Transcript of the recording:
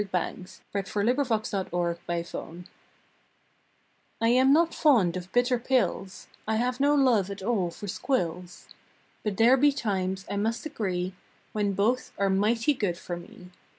September Ninth AS TO CERTAIN DOSES T AM not fond of bitter pills, I have no love at all for squills, But there be times, I must agree, When both are mighty good for me.